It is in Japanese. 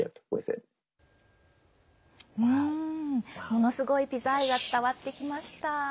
ものすごいピザ愛が伝わってきました。